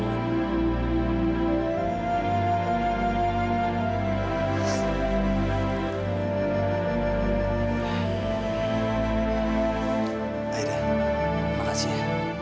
aida makasih ya